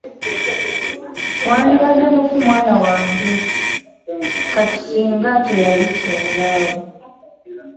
Wandibadde mufu mwana wange kati ssinga teyali ssengaawo.